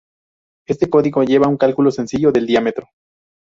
Este código lleva a un cálculo sencillo del diámetro.